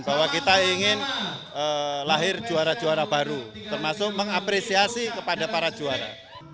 bahwa kita ingin lahir juara juara baru termasuk mengapresiasi kepada para juara